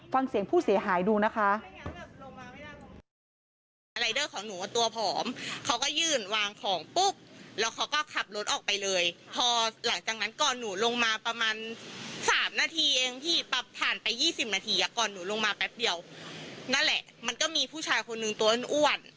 ฟังเสียงผู้เสียหายดูนะคะ